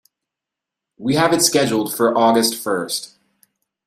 We have it scheduled for August first.